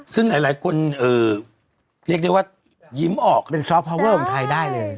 ซึ่งหลายหลายคนเอ่อเรียกได้ว่ายิ้มออกเป็นของไทยได้เลย